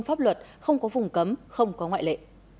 pháp luật không có vùng cấm không có ngoại lệ